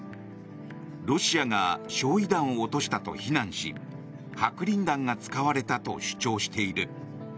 ロシアが焼い弾を落としたと非難し白リン弾が使われたと主張している。